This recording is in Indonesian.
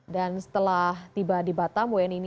dan setelah tiba di batam wni ini